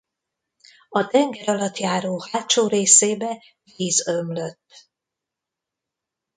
A tengeralattjáró hátsó részébe víz ömlött.